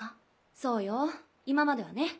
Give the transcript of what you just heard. そうよ今まではね。